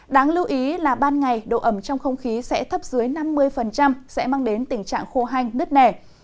đáng lưu ý là ban ngày độ ẩm trong không khí sẽ thấp dưới năm mươi sẽ mang đến tình trạng khô hanh nứt nẻ